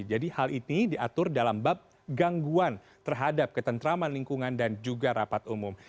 jadi hal ini diatur dalam bab gangguan terhadap ketentraman lingkungan dan juga rapat umum